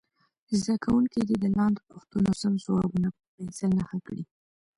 زده کوونکي دې د لاندې پوښتنو سم ځوابونه په پنسل نښه کړي.